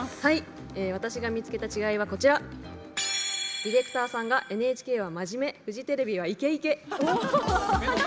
私が見つけた違いは「ディレクターがＮＨＫは真面目フジテレビはイケイケ」。